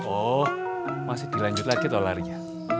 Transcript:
oh masih dilanjut lagi tuh larinya